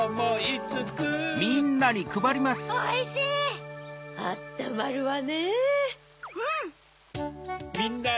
うん！